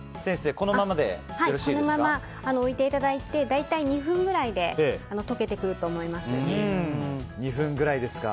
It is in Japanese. このまま置いていただいて大体２分くらいで２分ぐらいですか。